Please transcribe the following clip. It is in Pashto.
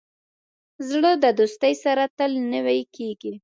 زړه د دوستۍ سره تل نوی کېږي.